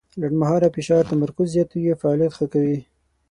لنډمهاله فشار تمرکز زیاتوي او فعالیت ښه کوي.